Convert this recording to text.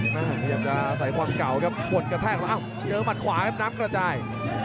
เดี๋ยวจะซ้ายพลังเก่ากับปวดกระแพงแล้วเจอบัตรขวาพน้ำสิบถ่าย